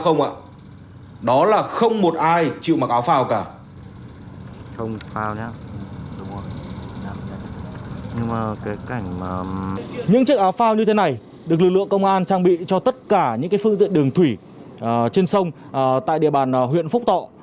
những chiếc áo phao như thế này được lực lượng công an trang bị cho tất cả những phương diện đường thủy trên sông tại địa bàn huyện phúc tọ